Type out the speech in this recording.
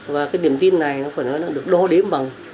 và cái điểm tin này phải nói là được đo đếm bằng